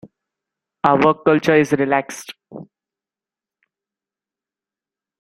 Our work culture is relaxed.